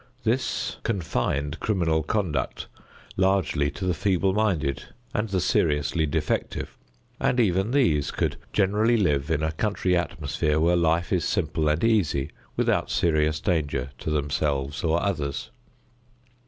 This confined criminal conduct largely to the feeble minded and the seriously defective, and even these could generally live in a country atmosphere where life is simple and easy, without serious danger to themselves or others.